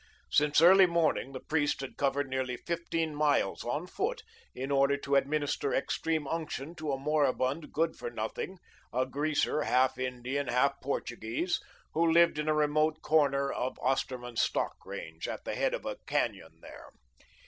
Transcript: Since early morning the priest had covered nearly fifteen miles on foot, in order to administer Extreme Unction to a moribund good for nothing, a greaser, half Indian, half Portuguese, who lived in a remote corner of Osterman's stock range, at the head of a canon there.